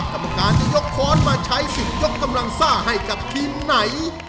กรรมการจะยกค้อนมาใช้สิทธิ์ยกกำลังซ่าให้กับทีมไหน